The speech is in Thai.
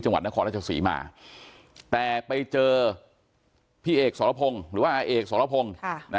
จังหวัดนครราชศรีมาแต่ไปเจอพี่เอกสรพงศ์หรือว่าอาเอกสรพงศ์